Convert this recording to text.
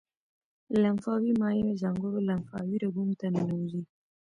لمفاوي مایع ځانګړو لمفاوي رګونو ته ننوزي.